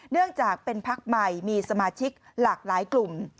เนื่องจากเป็นพักใหม่มีสมาชิกหลากหลายกลุ่ม